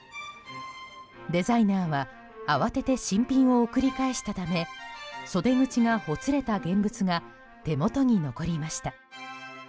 デザイナーは慌てて新品を送り返したため袖口がほつれた現物が手元に残りました。